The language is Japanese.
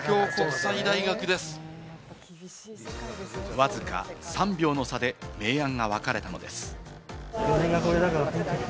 わずか３秒の差で明暗がわかれたのです。